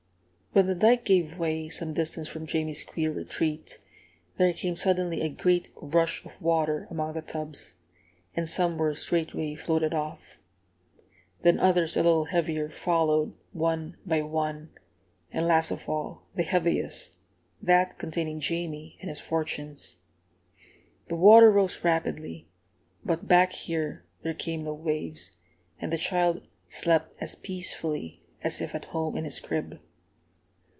When the dike gave way, some distance from Jamie's queer retreat, there came suddenly a great rush of water among the tubs, and some were straightway floated off. Then others a little heavier followed, one by one; and, last of all, the heaviest, that containing Jamie and his fortunes. The water rose rapidly, but back here there came no waves, and the child slept as peacefully as if at home in his crib.